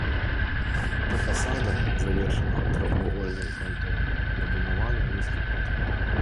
Да фасада, завершанага трохвугольным франтонам, дабудаваны нізкі прытвор.